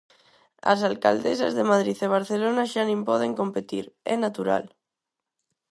As alcaldesas de Madrid e Barcelona xa nin poden competir, é natural.